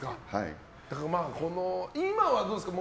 だから今はどうですか？